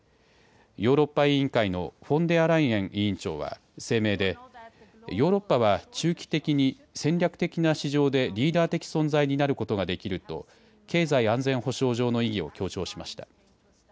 ヨーロッパ委員会のフォンデアライエン委員長は声明でヨーロッパは中期的に戦略的な市場でリーダー的存在になることができると経済安全保障上の意義を強調しました。